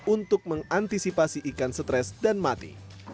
untuk mengantisipasi ikan stres dan mati